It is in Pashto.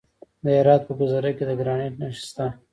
د هرات په ګذره کې د ګرانیټ نښې شته.